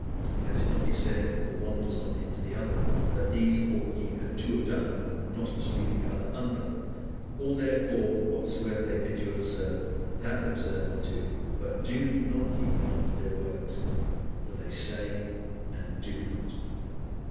And let it not be said that the one does not hinder the other, that "These ought ye to have done, and not to leave the other undone." "All, therefore, whatsoever they bid you observe, that observe and do; but do not ye after their works: for they say, and do not" (Matt. xxiii.